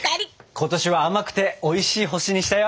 今年は甘くておいしい星にしたよ！